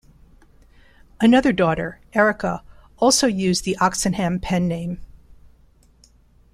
Another daughter, Erica, also used the Oxenham pen-name.